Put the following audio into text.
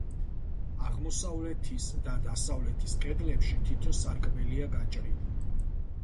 აღმოსავლეთის და დასავლეთის კედლებში თითო სარკმელია გაჭრილი.